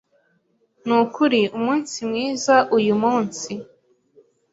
Nukuri umunsi mwiza uyumunsi.